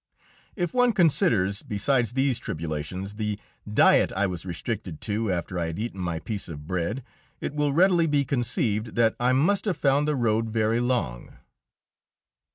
If one considers, besides these tribulations, the diet I was restricted to after I had eaten my piece of bread, it will readily be conceived that I must have found the road very long.